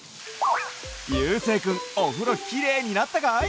ゆうせいくんおふろきれいになったかい？